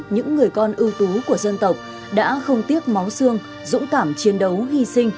những người con ưu tú của dân tộc đã không tiếc máu xương dũng cảm chiến đấu hy sinh